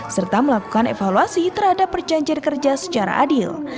serta melakukan evaluasi terhadap perjanjian kerja secara adil